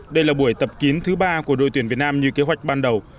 đây là buổi tập kiến thứ ba của đội tuyển việt nam như kế hoạch ban đầu